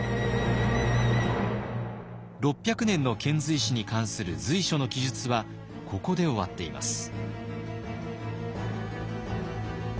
６００年の遣隋使に関する「隋書」の記述はここで終わっています。